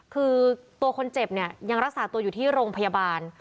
คือตัวคนเจ็บเนี่ยยังรักษาตัวอยู่ที่โรงพยาบาล